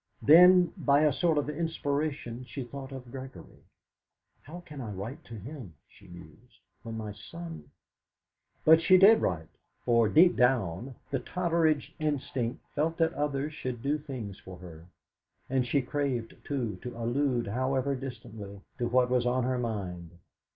Then, by a sort of inspiration, she thought of Gregory. '.ow can I write to him,' she mused, 'when my son ' But she did write, for, deep down, the Totteridge instinct felt that others should do things for her; and she craved, too, to allude, however distantly, to what was on her mind.